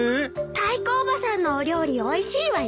タイコおばさんのお料理おいしいわよ。